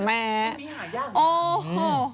ก็ไม่รู้หาย่าง